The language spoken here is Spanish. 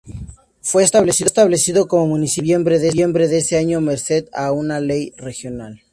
Fue establecido como municipio en noviembre de ese año merced a una ley regional.